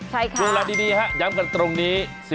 โดยละดีจะย้ำกันตรงนี้